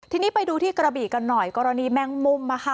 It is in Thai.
ทีนี้ไปดูที่กระบีกันหน่อยกรณีแมงมุม